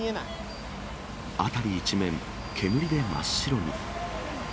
辺り一面、煙で真っ白に。